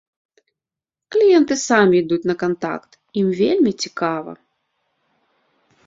Кліенты самі ідуць на кантакт, ім вельмі цікава.